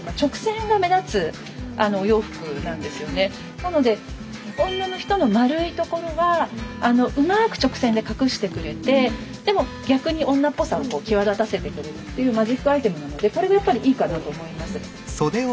なので女の人の丸いところはうまく直線で隠してくれてでも逆に女っぽさを際立たせてくれるっていうマジックアイテムなのでこれがやっぱりいいかなと思います。